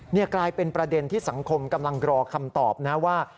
นี่กลายเป็นประเด็นที่สังคมกำลังรอคำตอบนะว่า